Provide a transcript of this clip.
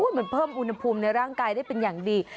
เหมือนเพิ่มอุณหภูมิในร่างกายได้เป็นอย่างดี